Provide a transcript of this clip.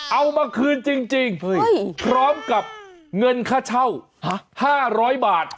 เอามาคืนจริงพร้อมกับเงินค่าเช่า๕๐๐บาท